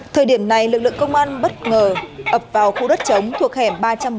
thời điểm này lực lượng công an bất ngờ ập vào khu đất chống thuộc hẻm ba trăm một mươi